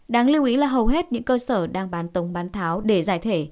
đáng lưu ý là hầu hết những cơ sở đang bán tổng bán tháo để giải thể